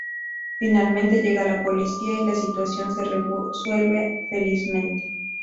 Finalmente, llega la policía y la situación se resuelve felizmente.